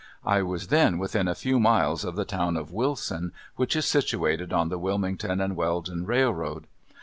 I was then within a few miles of the town of Wilson, which is situated on the Wilmington and Weldon Railroad.